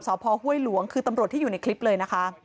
พ่อห้วยหลวงคือตำรวจที่อยู่ในคลิปเลยนะคะ